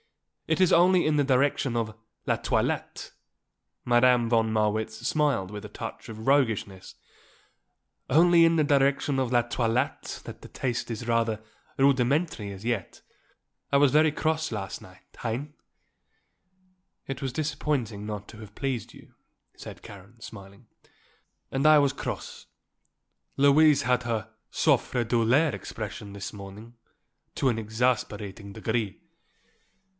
It is only in the direction of la toilette," Madame von Marwitz smiled with a touch of roguishness, "only in the direction of la toilette that the taste is rather rudimentary as yet. I was very cross last night, hein?" "It was disappointing not to have pleased you," said Karen, smiling. "And I was cross. Louise has her souffre douleur expression this morning to an exasperating degree."